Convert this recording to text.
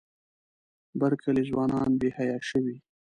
بر کلي ځوانان بې حیا شوي.